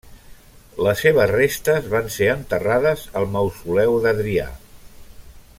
Les seves restes van ser enterrades al Mausoleu d'Adrià.